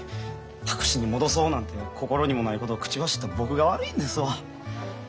白紙に戻そうなんて心にもないことを口走った僕が悪いんですわ。